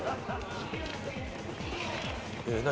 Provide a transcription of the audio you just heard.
何？